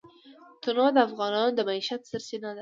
تنوع د افغانانو د معیشت سرچینه ده.